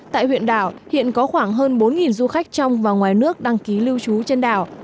tại huyện đảo hiện có khoảng hơn bốn du khách trong và ngoài nước đăng ký lưu trú trên đảo